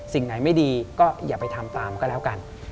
สิ่งไหนไม่ดีก็อย่าไปทำตามก็แล้วกัน